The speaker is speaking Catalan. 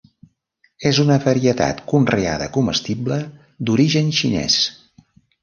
És una varietat conreada comestible d'origen xinès.